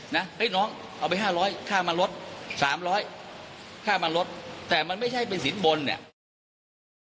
นางเอาไป๕ร้อยค้ามาลด๓๐๐ค้ามาลดแต่มันไม่ใช่สินบลเนี่ย